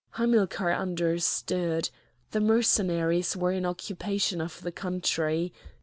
Hamilcar understood; the Mercenaries were in occupation of the country.